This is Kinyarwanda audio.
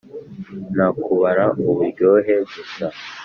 nta kubara uburyohe gusa